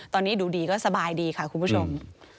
ตอนนี้ดูดีก็สบายดีค่ะคุณผู้ชม